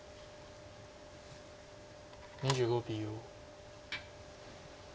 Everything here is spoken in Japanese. ２５秒。